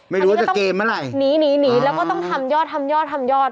ไม่รู้ว่าจะเกมเมื่อไหร่หนีหนีแล้วก็ต้องทำยอดทำยอดทำยอด